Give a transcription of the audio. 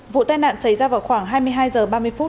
vụ tai nạn xảy ra vào khoảng hai mươi hai h ba mươi phút